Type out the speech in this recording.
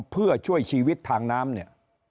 เพื่อช่วยชีวิตทางน้ำเนี่ย